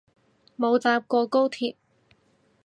冇搭過高鐵